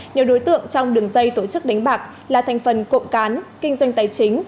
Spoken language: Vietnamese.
nhiều đối tượng trong đường dây tổ chức đánh bạc là thành phần cộng cán kinh doanh tài chính